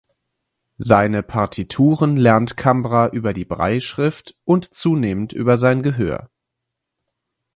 Seine Partituren lernt Cambra über die Brailleschrift und zunehmend über sein Gehör.